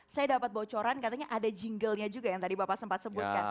saya dapat bocoran katanya ada jinglenya juga yang tadi bapak sempat sebutkan